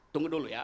tunggu dulu ya